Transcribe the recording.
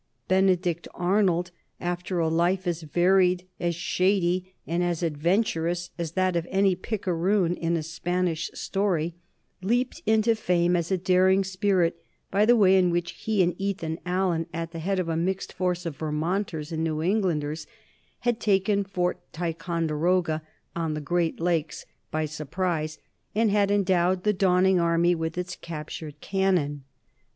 Benedict Arnold, after a life as varied, as shady, and as adventurous as that of any picaroon in a Spanish story, leaped into fame as a daring spirit by the way in which he and Ethan Allen, at the head of a mixed force of Vermonters and New Englanders, had taken Fort Ticonderoga, on the great lakes, by surprise, and had endowed the dawning army with its captured cannon.